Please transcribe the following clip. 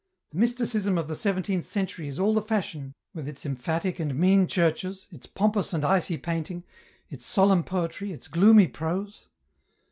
. .The Mysticism of the seventeenth century is all the fashion with its emphatic and T 274 EN ROUTE nean churches, its pompous and icy painting, its solemn poetry, its gloomy prose.